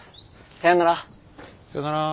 さよなら。